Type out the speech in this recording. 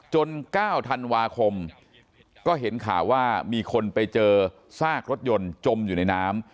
๙ธันวาคมก็เห็นข่าวว่ามีคนไปเจอซากรถยนต์จมอยู่ในน้ำ